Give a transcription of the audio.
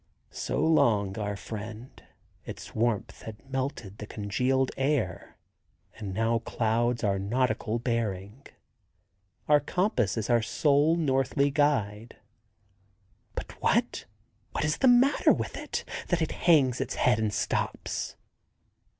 So long our friend, its warmth had melted the congealed air and now clouds our nautical bearings. Our compass is our sole northly guide. But what—what is the matter with it that it hangs its head and stops?